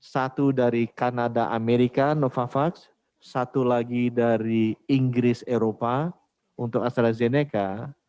satu dari kanada amerika novavax satu lagi dari inggris eropa untuk astrazeneca